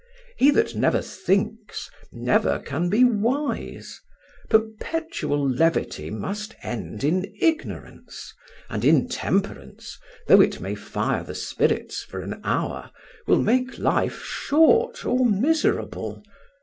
He that never thinks, never can be wise. Perpetual levity must end in ignorance; and intemperance, though it may fire the spirits for an hour, will make life short or miserable.